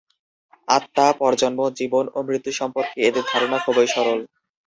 আত্মা, পরজন্ম, জীবন ও মৃত্যু সম্পর্কে এদের ধারণা খুবই সরল।